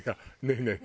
ねえ。